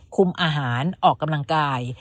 คุมอาหารออกกำลังกาย